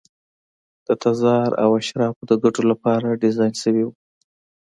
د تزار او اشرافو د ګټو لپاره ډیزاین شوي وو.